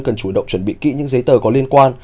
cần chủ động chuẩn bị kỹ những giấy tờ có liên quan